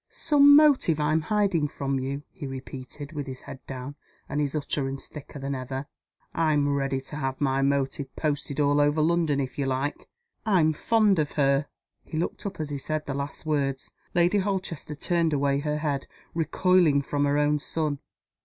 "Some motive I'm hiding from you?" he repeated, with his head down, and his utterance thicker than ever. "I'm ready to have my motive posted all over London, if you like. I'm fond of her." He looked up as he said the last words. Lady Holchester turned away her head recoiling from her own son.